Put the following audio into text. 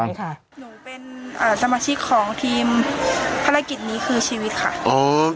หนูเป็นตำราชิกของทีมภารกิจนี้คือชีวิตค่ะ